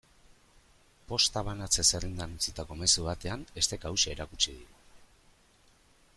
Posta banatze-zerrendan utzitako mezu batean esteka hauxe erakutsi digu.